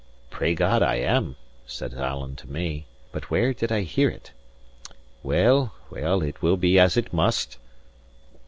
"Pray God I am!" says Alan to me. "But where did I hear it? Well, well, it will be as it must."